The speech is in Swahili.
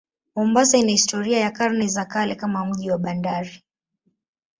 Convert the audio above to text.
Mombasa ina historia ya karne za kale kama mji wa bandari.